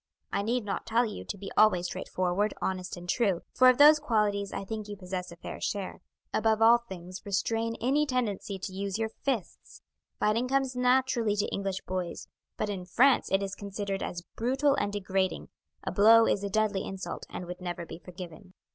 I need not tell you to be always straightforward, honest, and true, for of those qualities I think you possess a fair share. Above all things restrain any tendency to use your fists; fighting comes naturally to English boys, but in France it is considered as brutal and degrading a blow is a deadly insult, and would never be forgiven.